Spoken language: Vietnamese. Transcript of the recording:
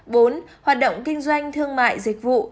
bốn hoạt động kinh doanh thương mại dịch vụ